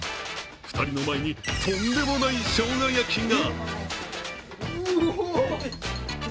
２人の前にとんでもないしょうが焼きが。